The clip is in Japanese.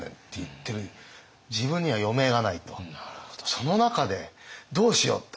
その中でどうしようって。